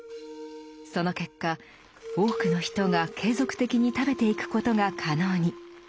その結果多くの人が継続的に食べていくことが可能に。